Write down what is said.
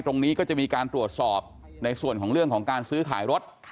ตรงนี้ก็จะมีการตรวจสอบในส่วนของเรื่องของการซื้อขายรถ